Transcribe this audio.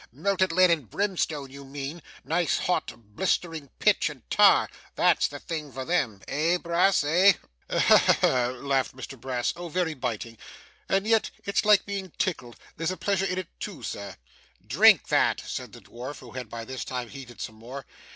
Melted lead and brimstone, you mean, nice hot blistering pitch and tar that's the thing for them eh, Brass, eh?' 'Ha ha ha!' laughed Mr Brass. 'Oh very biting! and yet it's like being tickled there's a pleasure in it too, sir!' 'Drink that,' said the dwarf, who had by this time heated some more.